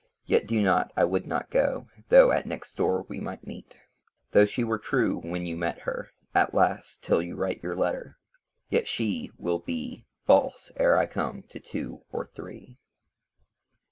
Yet do not; I would not go, Though at next door we might meet. Though she were true when you met her, And last, till you write your letter, Yet she Will be False, ere I come, to two or three.